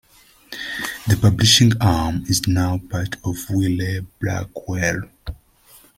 The publishing arm is now part of Wiley-Blackwell.